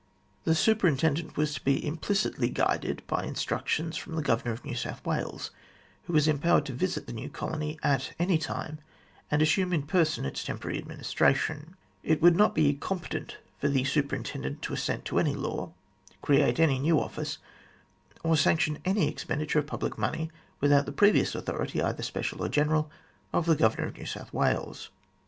The 26 THE GLADSTONE COLONY Superintendent was to be implicitly guided by instructions from the Governor of New South, Wales, who was empowered to visit the new colony at any time, and assume in person its temporary administration. It would not be competent for the Superintendent to assent to any law, create any new office, or sanction any expenditure of public money, without the previous authority, either special or general, of the Governor of New South Wales.